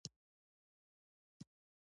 سود د خلکو تر منځ نفرت زیاتوي.